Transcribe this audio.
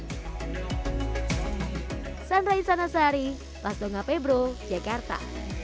hai sandra isana sari las donga pebro jakarta